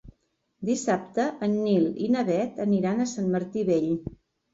Dissabte en Nil i na Bet aniran a Sant Martí Vell.